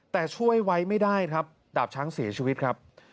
แต่ช่วยไว้ไม่ได้ครับดาบช้างเสียชีวิตครับ